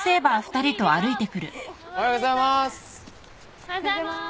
・おはようございます。